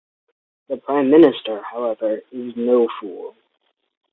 The Prime Minister, however, is no fool.